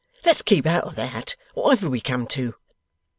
Let's keep out of THAT, whatever we come to.